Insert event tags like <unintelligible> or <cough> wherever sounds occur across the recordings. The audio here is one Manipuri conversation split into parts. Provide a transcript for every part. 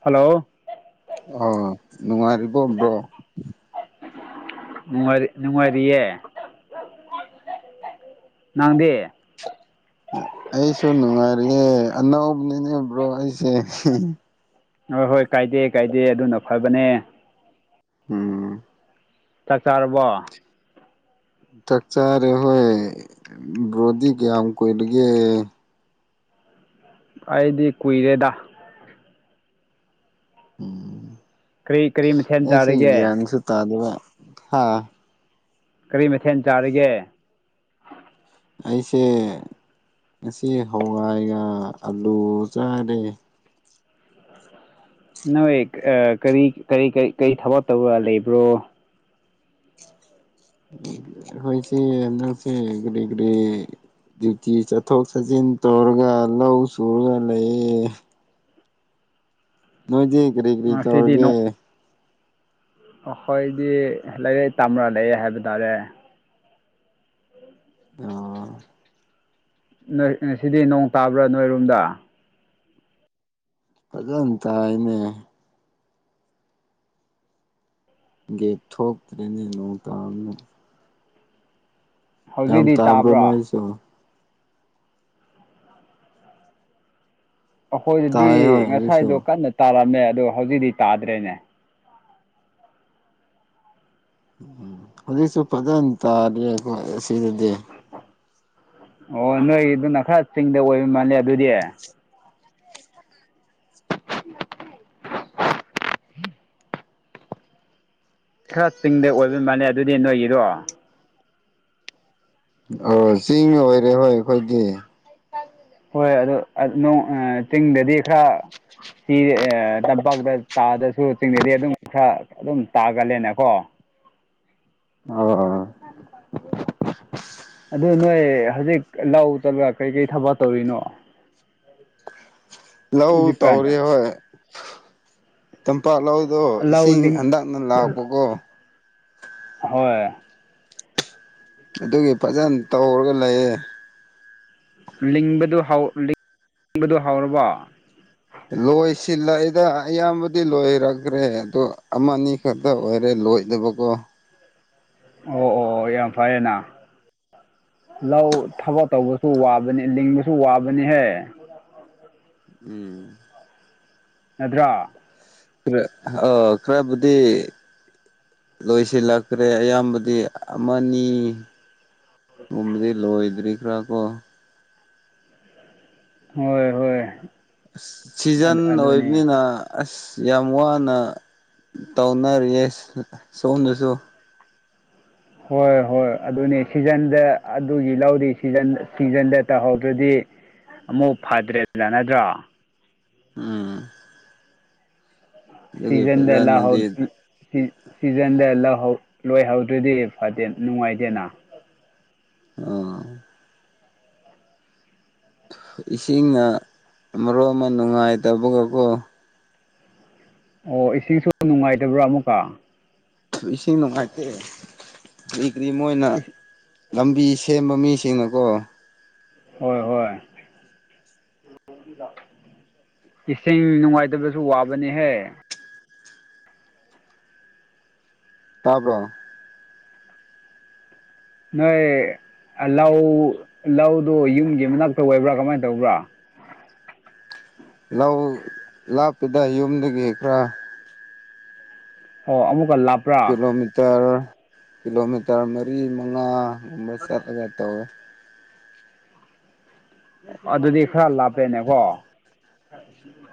ꯍꯜꯂꯣ ꯑꯣ ꯅꯨꯡꯉꯔꯤꯕꯣ ꯕ꯭ꯔꯣ ꯅꯨꯡꯉꯥꯏꯔꯤ ꯅꯨꯡꯉꯥꯏꯔꯤꯌꯦ ꯅꯪꯗꯤ ꯑꯩꯁꯨ ꯅꯨꯡꯉꯥꯏꯔꯤꯑꯦ ꯑꯅꯧꯕꯅꯤꯅꯦ ꯕ꯭ꯔꯣ ꯑꯩꯁꯦ ꯍꯣꯏ ꯍꯣꯏ ꯀꯥꯏꯗꯦ ꯀꯥꯏꯗꯦ ꯑꯗꯨꯅ ꯐꯕꯅꯦ ꯎꯝ ꯆꯥꯛ ꯆꯥꯔꯕꯣ ꯆꯛꯆꯥꯔꯦ ꯍꯣꯏ ꯕ꯭ꯔꯣꯗꯤ ꯀꯌꯥꯝ ꯀꯨꯏꯔꯒꯦ ꯑꯩꯗꯤ ꯀꯨꯏꯔꯦꯗ ꯎꯝ ꯀꯔꯤ ꯀꯔꯤ ꯃꯊꯦꯜ ꯑꯩꯁꯦ ꯆꯥꯔꯒꯦ ꯒ꯭ꯌꯥꯟꯁꯨ ꯇꯥꯗꯕ ꯍꯥ ꯀꯔꯤ ꯃꯊꯦꯟ ꯆꯥꯔꯒꯦ? ꯑꯩꯁꯦ ꯉꯁꯤ ꯍꯋꯥꯏꯒ ꯑꯂꯨ ꯆꯥꯔꯦ꯫ ꯅꯣꯏ ꯀꯔꯤ ꯀꯔꯤꯀꯔꯤ ꯀꯩ ꯊꯕꯛ ꯇꯧꯔ ꯂꯩꯕ꯭ꯔꯣ? ꯑꯈ‌ꯣꯏꯁ‌ꯦ ꯍꯟꯗꯛꯁꯦ ꯀ꯭ꯔꯤ ꯀꯔꯤ ꯗ꯭ꯌꯨꯇꯤ ꯆꯠꯊꯣꯛ ꯆꯠꯁꯤꯟ ꯇꯧꯔꯒ ꯂꯧ ꯆꯨꯔꯒ ꯂꯩꯌꯦ? ꯅꯣꯏꯗꯤ ꯀꯔꯤ ꯀ꯭ꯔꯤ ꯉꯁꯤꯗꯤ ꯇꯧꯔꯒꯦ? ꯅꯣꯡ ꯑꯩꯈꯣꯏꯗꯤ ꯂꯩꯥꯏꯔꯛ ꯇꯝꯔꯥ ꯂꯩꯌꯦ ꯍꯥꯏꯕ ꯇꯥꯔꯦ꯫ ꯑꯣ ꯅ‌ꯣꯏ ꯉꯁꯤꯗꯤ ꯅꯣꯡ ꯇꯥꯕ꯭ꯔꯥ ꯅꯣꯏꯔꯣꯝꯗ? ꯐꯖꯟ ꯇꯥꯏꯅꯦ꯫ ꯒꯦꯠ ꯊꯣꯛꯇ꯭꯭ꯔ‌ꯦꯅꯦ ꯅ‌ꯣꯡ ꯇꯥꯕꯅꯤꯅ ꯌꯥꯝ ꯍꯧꯖꯤꯛꯇꯤ ꯇꯥꯕ꯭ꯔꯣ ꯇꯥꯕ꯭ꯔꯥ ꯅꯣꯏꯁꯨ ꯑꯩꯈꯣꯏꯗꯗꯤ ꯇꯥꯏꯌꯦ ꯍꯣꯏ ꯍꯧꯖꯤꯛꯁꯨ ꯉꯁꯥꯏꯗꯣ ꯀꯟꯅ ꯇꯥꯔꯝꯃꯦ ꯑꯗꯣ ꯍꯧꯖꯤꯛꯇꯤ ꯇꯥꯗ꯭ꯔꯦꯅꯦ꯫ ꯎꯝ ꯍꯧꯖꯤꯛꯁꯨ ꯐꯖꯅ ꯇꯥꯔꯤꯏ ꯑꯈ‌ꯣꯏ ꯑꯁꯤꯗꯗꯤ ꯑꯣ ꯅꯣꯏꯒꯤ ꯑꯗꯨꯅ ꯈꯔ ꯆꯤꯡꯗ ꯑꯣꯏꯕ ꯃꯥꯜꯂꯦ ꯑꯗꯨꯗꯤ꯫ <unintelligible> ꯈꯔ ꯆꯤꯡꯗ ꯑꯣꯏꯕ ꯃꯥꯜꯂꯦ ꯑꯗꯨꯗꯤ ꯅꯣꯏꯒꯤꯗꯣ ꯑꯣ ꯆꯤꯡ ꯑꯣꯏꯔꯦꯕ ꯑꯩꯈꯣꯏꯒꯤ꯫ ꯍꯣꯏ ꯑꯗꯨꯗ ꯅ‌ꯣꯡ ꯆꯤꯡꯗꯗꯤ ꯈꯔ ꯁꯤ ꯇꯝꯄꯥꯛꯇ ꯇꯥꯗꯁꯨ ꯆꯤꯡꯗꯗꯤ ꯑꯗꯨꯝ ꯈꯔ ꯑꯗꯨꯝ ꯇꯥꯒꯜꯂꯦꯅꯦꯀꯣ꯫ ꯑꯣ ꯑꯗꯨ ꯅꯣꯏ ꯍꯧꯖꯤꯛ ꯂꯥꯎ ꯆꯠꯂ ꯀꯩꯀꯔꯤ ꯊꯕꯛ ꯇꯧꯔꯤꯅꯣ ꯂꯧ ꯍꯧꯖꯤꯛꯀꯥꯟ ꯇꯧꯔꯤ ꯍꯣꯏ꯫ ꯇꯝꯄꯥꯛ ꯂꯧꯗꯣ ꯂꯧ ꯏꯁꯤꯡ ꯂꯤꯡ ꯍꯟꯗꯛꯅ ꯂꯥꯛꯄꯀꯣ꯫ ꯍꯣꯏ ꯑꯗꯨꯒꯤ ꯐꯖꯅ ꯇꯧꯔꯒ ꯂꯩꯌꯦ꯫ ꯂꯤꯡꯕꯗꯨ ꯍꯧ ꯂꯤꯡꯕꯗꯨ ꯍꯧꯔꯕꯣ? ꯂꯣꯏꯁꯤꯜꯂꯏꯗ ꯑꯌꯥꯝꯕꯗꯤ ꯂꯣꯏꯔꯈ꯭ꯔꯦ ꯑꯗ‌ꯣ ꯑꯃꯅꯤ ꯈꯛꯇ ꯑꯣꯏꯔꯦ ꯂꯣꯏꯗꯕ ꯀꯣ꯫ ꯑꯣ ꯑꯣ ꯑꯣ ꯌꯥꯝ ꯐꯔꯦꯅꯥ꯫ ꯂꯧ ꯊꯕꯛ ꯇꯧꯕꯁꯨ ꯋꯥꯕꯅꯤ ꯂꯤꯡꯕꯁꯨ ꯋꯥꯕꯅꯤꯍꯦ ꯎꯝ ꯅꯠꯇ꯭ꯔꯥ ꯈꯔ ꯑ ꯈꯔꯕꯨꯗꯤ ꯂꯣꯏꯁꯤꯜꯂꯛꯇ꯭ꯔꯦ ꯑꯌꯥꯝꯕꯗꯤ ꯑꯃꯅꯤ ꯨꯒꯨꯝꯕꯗꯤ ꯂꯣꯏꯗ꯭ꯔꯤ ꯈ꯭ꯔꯥ ꯀꯣ ꯍꯣꯏ ꯍꯣꯏ ꯑꯁ ꯁꯤꯖꯟ ꯑꯗꯨ ꯑꯗꯨꯅꯦ ꯑꯣꯏꯕꯅꯤꯅ ꯑꯁ ꯌꯥꯝ ꯋꯥꯅ ꯇꯧꯅꯔꯤꯌꯦ ꯁꯣꯝꯗꯁꯨ꯫ ꯍꯣꯏ ꯍꯣꯏ ꯑꯗꯨꯅꯦ ꯁꯤꯖꯟꯗ ꯑꯗꯨꯒꯤ ꯂꯧꯔꯤ ꯁꯤꯖꯟ ꯁꯤꯖꯟꯗ ꯇꯧꯍꯧꯗ꯭ꯔꯗꯤ ꯑꯃꯨꯛ ꯐꯗ꯭ꯔꯦ ꯌꯥꯅꯗ꯭ꯔꯣ? ꯎꯝ ꯑꯗꯨꯒꯤ ꯁꯤꯖꯟꯗ ꯂꯥꯛꯍꯧ ꯐꯖꯅꯗꯤ ꯎꯝ ꯁꯤ ꯁꯤꯖꯟꯗ ꯂꯍꯧ ꯂꯣꯏꯍꯧꯗ꯭ꯔꯗꯤ ꯐꯠꯇꯦ ꯅꯨꯡꯉꯥꯏꯇꯦꯅ ꯑꯣ ꯏꯁꯤꯡꯅ ꯃꯔꯣꯜꯃ ꯑꯃ ꯅꯨꯡꯉꯥꯏꯇꯕꯒꯀꯣ꯫ ꯑꯣ ꯏꯁꯤꯡꯁꯨ ꯅꯨꯡꯉꯥꯏꯇꯕ꯭ꯔꯥ ꯑꯃꯨꯛꯀ? ꯏꯁꯤꯡ ꯅꯨꯡꯉꯥꯏꯇꯦ ꯀꯔꯤ ꯀꯔꯤ ꯃꯣꯏꯅ ꯏꯁ ꯂꯝꯕꯤ ꯁꯦꯝꯕ ꯃꯤꯁꯤꯡꯅꯀꯣ ꯍꯣꯏ ꯍꯣꯏ ꯏꯁꯤꯡ ꯅꯨꯡꯉꯥꯏꯇꯕꯁꯨ ꯋꯥꯕꯅꯤꯍꯦ ꯇꯥꯕ꯭ꯔꯣ ꯅꯣꯏ ꯂꯧ ꯂꯧꯗꯣ ꯌꯨꯝꯒꯤ ꯃꯅꯥꯛꯇ ꯑꯣꯏꯕ꯭ꯔꯥ ꯀꯃꯥꯏꯅ ꯇꯧꯕ꯭ꯔꯥ ꯂꯧ ꯂꯥꯞꯇꯦꯗ ꯌꯨꯝꯗꯒꯤ ꯈꯔ ꯑꯣ ꯑꯃꯨꯛꯀ ꯂꯥꯞ ꯀꯤꯂꯣꯃꯤꯇꯔ ꯀꯤꯂꯣꯃꯤꯇꯔ ꯃꯔꯤ ꯃꯉꯥꯒꯨꯝꯕ ꯆꯠꯂꯒ ꯇꯧꯋꯦ ꯑꯗꯨꯗꯤ ꯈꯔ ꯂꯥꯞꯄꯦꯅꯦꯀꯣ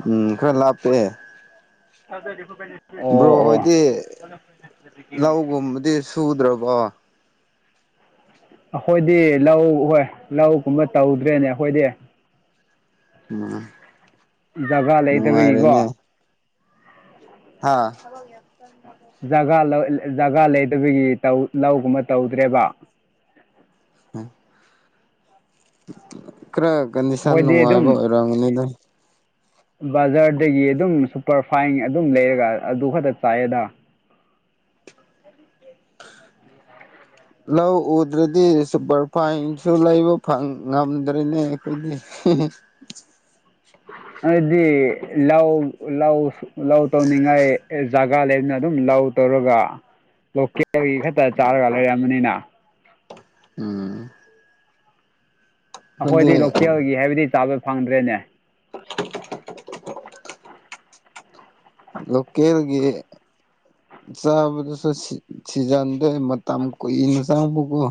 ꯎꯝ ꯈꯔ ꯂꯥꯞꯄꯦ <unintelligible> ꯕ꯭ꯔꯣ ꯑꯣ ꯍꯣꯏꯗꯤ ꯂꯧꯒꯨꯝꯕꯗꯤ ꯁꯨꯗ꯭ꯔꯕꯣ ꯑꯩꯈꯣꯏꯗꯤ ꯂꯧ ꯍꯣꯏ ꯂꯧꯒꯨꯝꯕ ꯇꯧꯗ꯭ꯔꯦꯅꯦ ꯑꯩꯈꯣꯏꯗꯤ ꯑ ꯖꯒꯥ ꯂꯩꯇꯕꯒꯤꯀꯣ ꯑꯥ <inaudible> ꯖꯒꯥ ꯂꯧ ꯖꯒꯥ ꯂꯩꯗꯕꯒꯤ ꯂꯧꯒꯨꯝꯕ ꯇꯧꯗ꯭ꯔꯦꯕ ꯎꯝ ꯈꯔ ꯀꯟꯗꯤꯁꯟ ꯑꯩꯈꯣꯏꯗꯤ ꯅꯨꯡꯉꯥꯏꯕ ꯑꯗꯨꯝ ꯑꯣꯏꯔꯝꯒꯅꯤꯗ ꯕꯖꯥꯔꯗꯒꯤ ꯑꯗꯨꯝ ꯁꯨꯄꯔ ꯐꯥꯏꯟ ꯑꯗꯨꯝ ꯂꯩꯔꯒ ꯑꯗꯨ ꯈꯛꯇ ꯆꯥꯏꯌꯦꯗ ꯂꯧ ꯎꯗ꯭ꯔꯗꯤ ꯁꯨꯄꯔꯐꯥꯏꯟꯁꯨ ꯂꯩꯕ ꯐꯪ ꯉꯝꯗ꯭ꯔꯦꯅꯦ ꯑꯩꯈꯣꯏꯗꯤ ꯍꯝ ꯍꯦ ꯑꯗꯨꯗꯤ ꯂꯧ ꯂꯧ ꯂꯧ ꯇꯧꯅꯤꯡꯉꯥꯏ ꯖꯥꯒꯥ ꯂꯩꯕꯅ ꯑꯗꯨꯝ ꯂꯧ ꯇꯧꯔꯒ ꯂꯣꯀꯦꯜꯒꯤ ꯈꯛꯇ ꯆꯥꯔꯒ ꯂꯩꯔꯝꯃꯅꯤꯅ ꯎꯝ ꯑꯩꯈꯣꯏꯗꯤ ꯂꯣꯀꯦꯜꯒꯤ ꯍꯥꯏꯕꯗꯤ ꯆꯥꯕ ꯐꯪꯗ꯭ꯔꯦꯅꯦ꯫ ꯂꯣꯀꯦꯜꯒꯤ ꯆꯥꯕꯗꯨꯁꯨ ꯁꯤꯖꯟꯗꯣ ꯃꯇꯝ ꯀꯨꯏꯅ ꯆꯪꯕꯀꯣ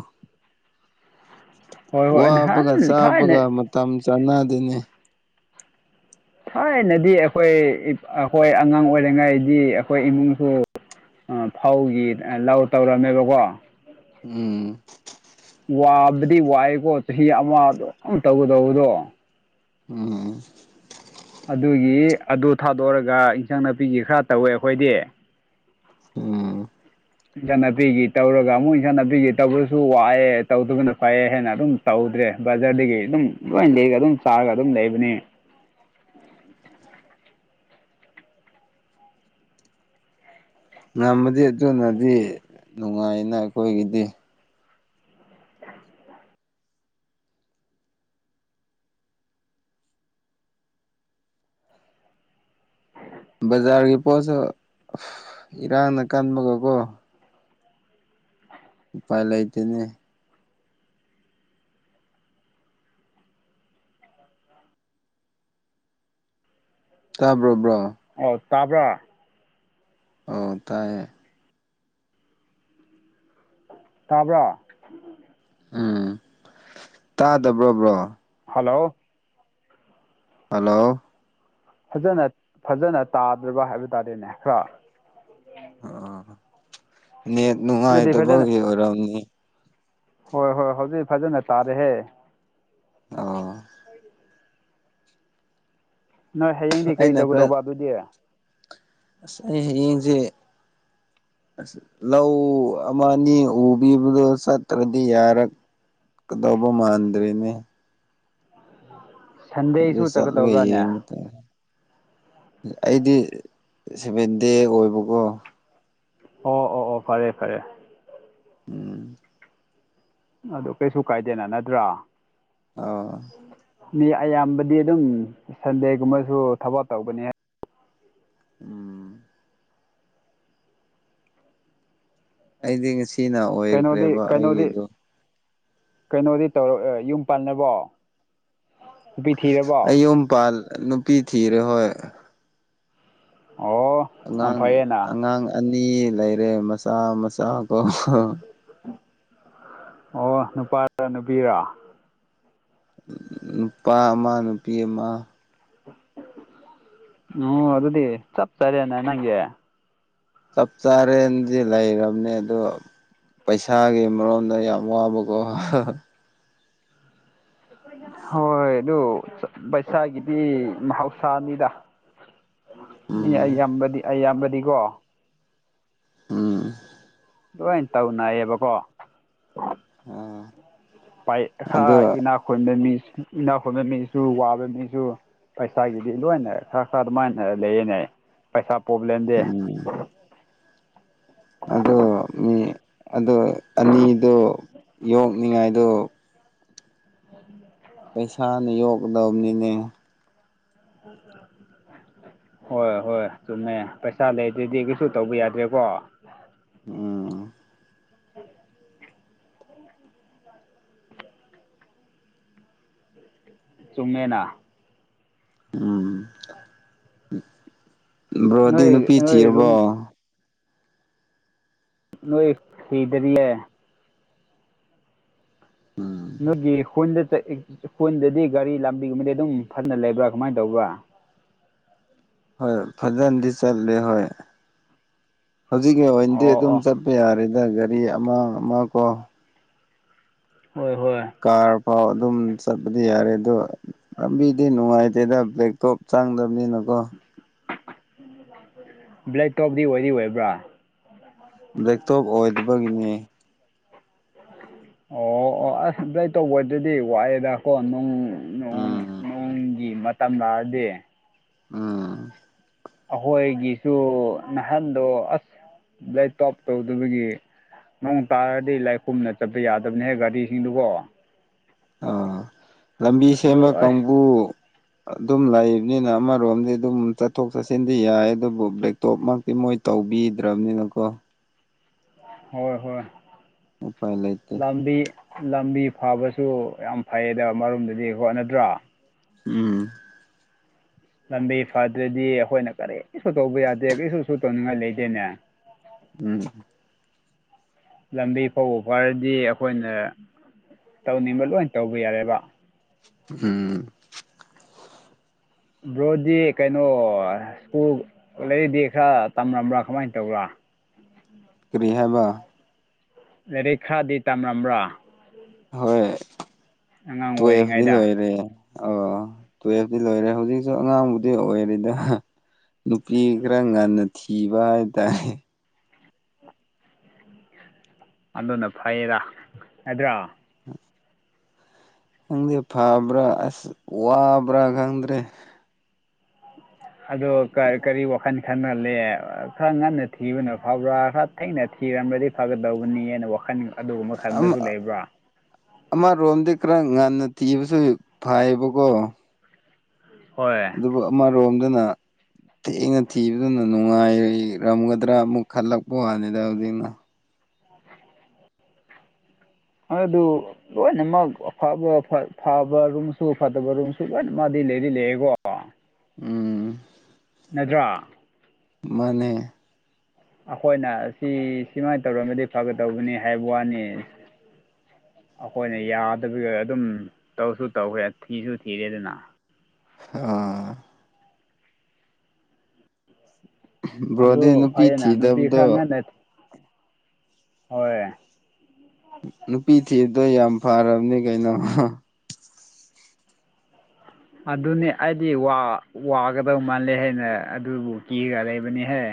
ꯍꯣꯏ ꯍꯣꯏ ꯋꯥꯕꯒ ꯅꯍꯥꯟ ꯊꯥꯏꯅ ꯆꯥꯕꯒ ꯃꯇꯝ ꯆꯥꯅꯗꯦꯅꯦ ꯊꯥꯏꯅꯗꯤ ꯑꯩꯈꯣꯏ ꯑꯩꯈꯣꯏ ꯑꯉꯥꯡ ꯑꯣꯏꯔꯤꯉꯩꯗꯤ ꯑꯩꯈꯣꯏ ꯏꯃꯨꯡꯁꯨ ꯐꯧꯒꯤ ꯂꯧ ꯇꯧꯔꯝꯃꯦꯕꯀꯣ ꯎꯝ ꯋꯥꯕꯗꯤ ꯋꯥꯏꯀꯣ ꯆꯍꯤ ꯑꯃ ꯑꯗꯨꯝ ꯇꯧꯒꯗꯧꯕꯗꯣ ꯎꯝ ꯑꯗꯨꯒꯤ ꯑꯗꯨ ꯊꯥꯗꯣꯛꯑꯔꯒ ꯏꯟꯁꯥꯡ ꯅꯥꯄꯤꯒꯤ ꯈꯔ ꯇꯧꯋꯦ ꯑꯩꯈꯣꯏꯗꯤ ꯎꯝ ꯏꯟꯁꯥꯡ ꯅꯥꯄꯤꯒꯤ ꯇꯧꯔꯒ ꯑꯃꯨꯛ ꯏꯟꯁꯥꯡ ꯅꯥꯄꯤꯒꯤ ꯇꯧꯕꯁꯨ ꯋꯥꯑꯦ ꯇꯧꯗꯨꯕꯅ ꯐꯩꯌꯦ ꯍꯥꯏꯅ ꯑꯗꯨꯝ ꯇꯧꯗ꯭ꯔꯦ ꯕꯖꯥꯔꯗꯒꯤ ꯑꯗꯨꯝ ꯂꯣꯏ ꯂꯩꯔ ꯑꯗꯨꯝ ꯆꯥꯔꯒ ꯑꯗꯨꯝ ꯂꯩꯕꯅꯤ꯫ ꯉꯝꯃꯗꯤ ꯑꯗꯨꯅꯗꯤ ꯅꯨꯡꯉꯥꯏꯅ ꯑꯩꯈꯣꯏꯒꯤꯗꯤ꯫ ꯕꯖꯥꯔꯒꯤ ꯄꯣꯠꯁꯨ ꯏꯔꯥꯡꯅ ꯀꯟꯕꯒꯀꯣ ꯎꯄꯥꯏ ꯂꯩꯇꯦꯅꯦ ꯇꯥꯕ꯭ꯔꯣ ꯕ꯭ꯔꯣ ꯑꯣ ꯇꯥꯕ꯭ꯔꯥ ꯑꯣ ꯇꯥꯏꯌꯦ ꯇꯥꯕ꯭ꯔꯥ ꯎꯝ ꯇꯥꯗꯕ꯭ꯔꯣ ꯕ꯭ꯔꯣ ꯍꯜꯂꯣ ꯍꯜꯂꯣ ꯐꯖꯅ ꯐꯖꯅ ꯇꯥꯗ꯭ꯔꯕ ꯍꯥꯏꯕ ꯇꯥꯔꯦꯅꯦ ꯇꯔ ꯑꯣ ꯅꯦꯠ ꯑꯗꯨꯗꯤ ꯐꯖꯅ ꯅꯨꯡꯉꯥꯏꯇꯕꯒꯤ ꯑꯣꯏꯔꯝꯅꯤ ꯍꯣꯏ ꯍꯣꯏ ꯍꯧꯖꯤꯛ ꯐꯖꯅ ꯇꯥꯔꯦꯍꯦ ꯑ ꯅꯣꯏ ꯍꯌꯦꯡꯗꯤ ꯀꯔꯤ ꯑꯩꯅ ꯈꯔ ꯇꯧꯒꯗꯧꯕ ꯑꯗꯨꯗꯤ ꯑꯁ ꯑꯩ ꯏꯪꯖꯦ ꯑꯁ ꯂꯧ ꯑꯃ ꯑꯅꯤ ꯎꯕꯤꯕꯗꯣ ꯆꯠꯇ꯭ꯔꯗꯤ ꯌꯥꯔꯛ ꯀꯗꯕ ꯃꯥꯟꯗ꯭ꯔꯤꯅꯦ ꯑꯗꯨ ꯁꯟꯗꯦꯁꯨ ꯆꯠꯂꯒ ꯆꯠꯀꯗꯧꯕ꯭ꯔꯥꯅꯦ ꯌꯦꯡꯕ ꯑꯩꯗꯤ ꯁꯚꯦꯟ ꯗꯦ ꯑꯣꯏꯕꯀꯣ ꯑꯣ ꯑꯣ ꯑꯣ ꯐꯔꯦ ꯐꯔꯦ ꯎꯝ ꯑꯗꯨ ꯀꯩꯁꯨ ꯀꯥꯏꯗꯦꯅ ꯅꯠꯇ꯭ꯔꯥ ꯑꯧ ꯃꯤ ꯑꯌꯥꯝꯕꯗꯤ ꯑꯗꯨꯝ ꯁꯟꯗꯦꯒꯨꯝꯕꯁꯨ ꯊꯕꯛ ꯇꯧꯒꯅꯦ ꯎꯝ ꯑꯩꯗꯤ ꯉꯁꯤꯅ ꯀꯩꯅꯣꯗꯤ ꯑꯣꯏꯈ꯭ꯔꯦꯕ ꯀꯩꯅꯣꯗꯤ ꯑꯩꯒꯤꯗꯣ ꯀꯩꯅꯣꯗꯤ ꯇꯧꯔꯛ ꯌꯨꯝ ꯄꯥꯜꯅꯕꯣ ꯑꯩ ꯌꯨꯝ ꯄꯜ ꯅꯨꯄꯤ ꯊꯤꯔꯦ ꯍꯣꯏ ꯑꯣ ꯌꯥꯝ ꯑꯉꯥꯡ ꯐꯩꯌꯦꯅ ꯑꯉꯥꯡ ꯑꯅꯤ ꯂꯩꯔꯦ ꯃꯆꯥ ꯃꯆꯥ ꯀꯣ ꯑꯣ ꯅꯨꯄꯥ ꯔ ꯅꯨꯄꯤꯔ ꯅꯨꯄꯥ ꯑꯃ ꯅꯨꯄꯤ ꯑꯃ ꯑꯣ ꯑꯗꯨꯗꯤ ꯆꯞ ꯆꯔꯦꯅ ꯅꯪꯒꯤ ꯆꯞ ꯆꯥꯔꯦꯅꯗꯤ ꯂꯩꯔꯕꯅꯦ ꯑꯗꯣ ꯄꯩꯁꯥꯒꯤ ꯃꯔꯣꯝꯗ ꯌꯥꯝ ꯋꯥꯕꯀꯣ ꯍꯥ ꯍꯥ ꯍꯣꯏ ꯑꯗꯨ ꯄꯩꯁꯥꯒꯤꯗꯤ ꯃꯍꯧꯁꯥꯅꯤꯗ <inaudible> ꯃꯤ ꯎꯝ ꯑꯩꯌꯥꯝꯕꯗꯤ ꯑꯩꯌꯥꯝꯕꯗꯤꯀꯣ ꯎꯝ ꯂꯣꯏꯅ ꯇꯧꯅꯌꯦꯕꯀꯣ ꯑꯣ ꯄꯥꯏꯍꯥ ꯏꯅꯥ ꯈꯨꯕ ꯃꯤ ꯏꯅꯥ ꯈꯨꯟꯕ ꯃꯤꯁꯨ ꯋꯥꯕ ꯃꯤꯁꯨ ꯄꯩꯁꯥꯒꯤꯗꯤ ꯂꯣꯏꯅ ꯈꯔ ꯈꯔ ꯑꯗꯨꯃꯥꯏꯅ ꯂꯩꯌꯦꯅꯦ ꯄꯩꯁꯥ ꯄ꯭ꯔꯣꯕ꯭ꯂꯦꯝꯗꯤ ꯎꯝ ꯑꯗꯨ ꯃꯤ ꯑꯗꯨ ꯑꯅꯤꯗꯨ ꯌꯣꯛꯅꯤꯡꯉꯥꯏꯗꯣ <unintelligible> ꯄꯩꯁꯥꯅ ꯌꯣꯛꯀꯗꯕꯅꯤꯅꯦ <unintelligible> ꯍꯣꯏ ꯍꯣꯏ ꯆꯨꯝꯃꯦ ꯄꯩꯁꯥ ꯂꯩꯗꯗꯤ ꯀꯩꯁꯨ ꯇꯧꯕ ꯌꯥꯗ꯭ꯔꯦꯀꯣ ꯎꯝ ꯆꯨꯝꯃꯦꯅ ꯎꯝ ꯕ꯭ꯔꯣꯗꯤ ꯅꯣꯏ ꯅꯨꯄꯤ ꯅꯣꯏ ꯔꯨꯝ ꯊꯤꯔꯕꯣ ꯅꯣꯏ ꯊꯤꯗꯔꯤꯌꯦ ꯎꯝ ꯅꯣꯏꯒꯤ ꯍꯨꯟꯗ ꯆꯥꯠ ꯄꯨꯟꯗꯗꯤ ꯒꯥꯔꯤ ꯂꯝꯕꯤꯒꯨꯝꯕꯗꯤ ꯑꯗꯨꯝ ꯐꯅ ꯂꯩꯕ꯭ꯔꯥ ꯀꯃꯥꯏꯅ ꯇꯧꯕ꯭ꯔꯥ ꯍꯣꯏ ꯐꯖꯅꯗꯤ ꯆꯠꯂꯦ ꯍꯣꯏ ꯍꯧꯖꯤꯛꯀꯤ ꯑꯣꯏꯅꯗꯤ ꯑꯣ ꯑꯗꯨꯝ ꯑꯣ ꯆꯠꯄ ꯌꯥꯔꯦꯗ ꯒꯥꯔꯤ ꯑꯃ ꯑꯃ ꯀꯣ ꯍꯣꯏ ꯍꯣꯏ ꯀꯥꯔ ꯐꯥꯎ ꯑꯗꯨꯝ ꯆꯠꯄꯗꯤ ꯌꯥꯔꯦ ꯑꯗꯣ ꯂꯝꯕꯤꯗꯤ ꯅꯨꯡꯉꯥꯏꯇꯦꯗ ꯕꯦ ꯇꯣꯞ ꯆꯪꯗꯕꯅꯤꯅꯀꯣ ꯕ꯭ꯂꯦꯛ ꯇꯣꯞꯗꯤ ꯑꯣꯏꯗꯤ ꯑꯣꯏꯕ꯭ꯔꯥ ꯕꯦꯇꯣꯞ ꯑꯣꯏꯗꯕꯒꯤꯅꯦ ꯑꯣ ꯑꯣ ꯑꯁ ꯕꯦꯛꯇꯣꯞ ꯑꯣꯏꯗꯗꯤ ꯋꯥꯑꯦꯗꯀꯣ ꯅꯪ ꯅꯣꯡ ꯎꯝ ꯅꯣꯡꯒꯤ ꯃꯇꯝ ꯂꯥꯛꯑꯗꯤ ꯎꯝ ꯑꯈꯣꯏꯒꯤꯁꯨ ꯅꯍꯥꯟꯗꯣ ꯑꯁ ꯕꯂꯗ ꯀꯥꯞ ꯇꯧꯗꯕꯒꯤ ꯅꯣꯡ ꯇꯥꯔꯗꯤ ꯂꯥꯏꯈꯨꯝꯅ ꯆꯠꯄ ꯌꯥꯗꯕꯅꯦꯍꯦ ꯒꯥꯔꯤꯁꯤꯡꯗꯨꯒꯣ ꯑ ꯂꯝꯕꯤ ꯁꯦꯝꯕ ꯑꯗꯨ ꯑꯁ ꯀꯥꯡꯕꯨ ꯑꯗꯨꯝ ꯂꯩꯕꯅꯤꯅ ꯑꯃꯔꯣꯝꯗꯤ ꯑꯗꯨꯝ ꯆꯠꯊꯣꯛ ꯆꯠꯁꯤꯟꯗꯤ ꯌꯥꯏ ꯑꯗꯨꯕꯨ ꯕ꯭ꯂꯦꯛꯇꯣꯞꯃꯛ ꯁꯤ ꯃꯣꯏ ꯇꯧꯕꯤꯗ꯭ꯔꯕꯅꯤꯅꯀꯣ ꯍꯣꯏ ꯍꯣꯏ ꯎꯄꯥꯏ ꯂꯩꯇꯦ ꯂꯝꯕꯤ ꯂꯝꯕꯤ ꯐꯕꯁꯨ ꯌꯥꯝ ꯐꯩꯌꯦꯗ ꯑꯃꯔꯨꯝꯗꯨꯗꯤ ꯍꯣꯠꯅꯗ꯭ꯔꯥ ꯎꯝ ꯂꯝꯕꯤ ꯐꯗ꯭ꯔꯗꯤ ꯑꯩꯈꯣꯏꯅ ꯀꯔꯤꯁꯨ ꯇꯧꯕ ꯌꯥꯗꯦ ꯀꯔꯤꯁꯨ ꯁꯨ ꯇꯧꯅꯤꯡꯉꯥꯏ ꯂꯩꯇꯦꯅꯦ ꯎꯝ ꯂꯝꯕꯤ ꯐꯕꯨ ꯐꯔꯗꯤ ꯑꯩꯈꯣꯏꯅ ꯇꯧꯅꯤꯡꯕ ꯂꯣꯏꯅ ꯇꯧꯕ ꯌꯥꯔꯦꯕ ꯎꯝ ꯕ꯭ꯔꯣꯗꯤ ꯀꯩꯅꯣ ꯁ꯭ꯀꯨꯜ ꯂꯥꯏꯔꯤꯛꯗꯤ ꯈꯔ ꯇꯝꯂꯝꯕ꯭ꯔꯥ ꯀꯃꯥꯏꯅ ꯇꯧꯕ꯭ꯔꯥ ꯀꯔꯤ ꯍꯥꯏꯕ ꯂꯥꯏꯔꯤꯛ ꯈꯔꯗꯤ ꯇꯝꯂꯝꯕ꯭ꯔꯥ ꯍꯣꯏ ꯑꯉꯥꯡ ꯇꯨꯋꯦꯜꯐꯗꯤ ꯑꯣꯏꯔꯤꯉꯩꯗ ꯂꯣꯏꯔꯦ ꯑꯣ ꯇꯨꯌꯦꯜꯐꯇꯤ ꯂꯣꯏꯔꯦ ꯍꯧꯖꯤꯛꯁꯨ ꯑꯉꯥꯡꯕꯨꯗꯤ ꯑꯣꯏꯔꯤꯗ ꯅꯨꯄꯤ ꯈꯔ ꯉꯟꯅ ꯊꯤꯕ ꯍꯥꯏꯇꯥꯔꯦ ꯑꯗꯨꯅ ꯐꯩꯌꯦꯗ ꯅꯠꯗ꯭ꯔꯥ ꯈꯪꯗꯦ ꯐꯕ꯭ꯔꯥ ꯑꯁ ꯋꯥꯕ꯭ꯔꯥ ꯈꯪꯗ꯭ꯔꯦ <inaudible> ꯑꯗꯣ ꯀ ꯀꯔꯤ ꯋꯥꯈꯜ ꯈꯟꯍꯜꯂꯦ ꯈꯔ ꯉꯟꯅ ꯊꯤꯕꯅ ꯐꯕ꯭ꯔꯥ ꯈꯔ ꯊꯦꯡꯅ ꯊꯤꯔꯝꯔꯗꯤ ꯐꯒꯗꯧꯕꯅꯤꯅ ꯋꯥꯈꯜ ꯑꯗꯨꯒꯨꯝꯕ ꯑꯃ ꯈꯟꯗꯁꯨ ꯂꯩꯕ꯭ꯔꯥ ꯑꯃꯔꯣꯝꯗꯤ ꯈꯔ ꯉꯟꯅ ꯊꯤꯕꯁꯨ ꯐꯥꯏꯌꯦꯕꯀꯣ ꯍꯣꯏ ꯑꯗꯨꯒ ꯑꯃꯔꯣꯝꯗꯅ ꯊꯦꯡꯅ ꯊꯤꯕꯗꯨꯅ ꯅꯨꯡꯉꯥꯏꯔꯝꯒꯗ꯭ꯔꯥ ꯑꯃꯨꯛ ꯈꯜꯂꯛꯄ ꯋꯥꯅꯤꯗ ꯍꯧꯖꯤꯛꯅ <unintelligible> ꯑ ꯑꯗꯨ ꯂꯣꯏꯅꯃꯛ ꯑꯐꯕ ꯐꯕ ꯔꯨꯝꯁꯨ ꯐꯠꯇꯕ ꯔꯨꯝꯁꯨ ꯂꯣꯏꯅꯃꯛꯗꯤ ꯂꯩꯗꯤ ꯂꯩꯌꯦꯀꯣ ꯎꯝ ꯅꯠꯇ꯭ꯔꯥ ꯃꯥꯅꯦ ꯑꯩꯈꯣꯏꯅ ꯁꯤ ꯁꯨꯃꯥꯏꯅ ꯇꯧꯔꯒꯗꯤ ꯐꯒꯗꯧꯕꯅꯤ ꯍꯥꯏꯕ ꯋꯥꯅꯤ ꯑꯈꯣꯏꯅ ꯌꯥꯗꯕꯤꯗ ꯑꯗꯨꯝ ꯇꯧꯁꯨ ꯇꯧꯈ꯭ꯔꯦ ꯊꯤꯁꯨ ꯊꯤꯔꯦꯗꯅ ꯑꯥ ꯑꯗꯨ ꯕ꯭ꯔꯣꯗꯤ ꯅꯨꯄꯤ ꯐꯩꯌꯦꯅ ꯅꯨꯄꯤ ꯊꯤꯗꯕꯗꯣ ꯈꯔ ꯉꯟꯅ ꯍꯣꯏ ꯅꯨꯄꯤ ꯊꯤꯕꯗꯣ ꯌꯥꯝ ꯐꯔꯕꯅꯦ ꯀꯩꯅꯣ ꯍ ꯑꯗꯨꯅꯤ ꯑꯩꯗꯤ ꯋꯥ ꯋꯥꯒꯗꯧ ꯃꯥꯜꯂꯦ ꯍꯥꯏꯅ ꯑꯗꯨꯕꯨ ꯀꯤꯒ ꯂꯩꯕꯅꯤꯍꯦ